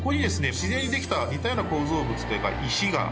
自然にできた似たような構造物というか石がありまして。